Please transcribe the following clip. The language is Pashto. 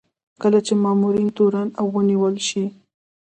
کله چې مامور تورن او ونیول شي.